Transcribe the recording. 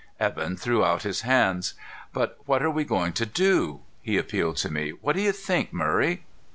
Evan threw out his hands. "But what are we going to do?" He appealed to me. "What do you think, Murray?"